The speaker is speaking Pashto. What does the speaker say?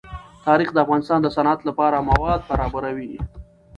تاریخ د افغانستان د صنعت لپاره مواد برابروي.